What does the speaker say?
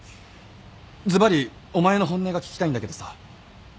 ずばりお前の本音が聞きたいんだけどさ